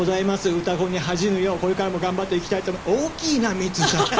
「うたコン」に恥じぬようこれからも頑張っていきたいと大きいなミッツさん。